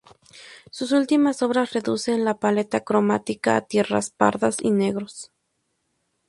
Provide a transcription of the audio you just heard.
Sus últimas obras reducen la paleta cromática a tierras pardas y negros.